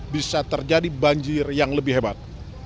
bisa terjadi banjir yang lebih hebat